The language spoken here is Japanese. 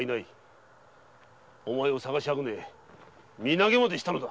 お前を捜しあぐね身投げまでしたのだ。